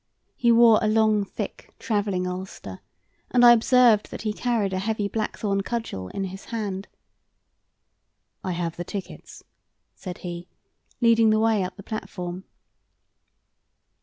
He wore a long, thick travelling ulster, and I observed that he carried a heavy blackthorn cudgel in his hand. "I have the tickets," said he, leading the way up the platform.